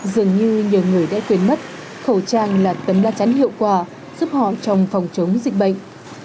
dường như nhiều người đã quên mất khẩu trang là tấm đa chắn hiệu quả giúp họ trong phòng chống dịch bệnh